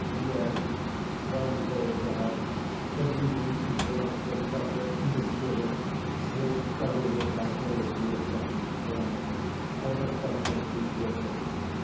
'... "Yes, one day perhaps the leading intellects of Russia and of Europe will study the psychology of Russian crime, for the subject is worth it.